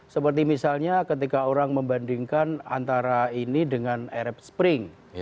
seperti misalnya ketika orang membandingkan antara ini dengan arab spring